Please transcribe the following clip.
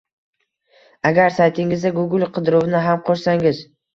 Agar saytingizga Google qidiruvini ham qo’shsangiz